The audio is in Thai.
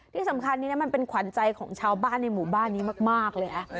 ที่สำคัญนี้นะมันเป็นขวัญใจของชาวบ้านในหมู่บ้านนี้มากเลยนะ